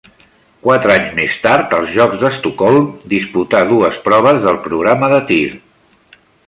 Quatre anys més tard, als Jocs d'Estocolm, disputà dues proves del programa de tir.